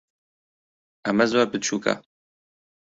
ئەمە زۆر بچووکە.